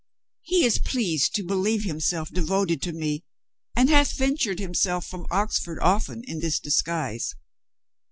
He is pleased to believe himself devoted to me, and hath ventured himself from Oxford often in this disguise.